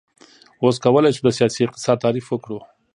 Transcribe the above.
اوس کولی شو د سیاسي اقتصاد تعریف وکړو.